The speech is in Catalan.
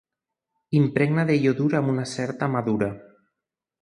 Impregna de iodur amb una certa mà dura.